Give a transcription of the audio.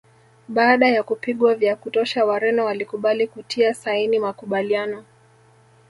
Baada ya kupigwa vya kutosha Wareno walikubali kutia saini makubaliano